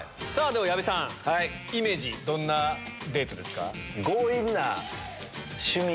では矢部さんイメージどんなデートですか？